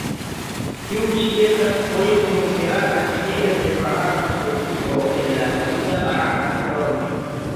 Tiu ĉi estas foje konsiderata kiel separata specio el la nomiga barata formo.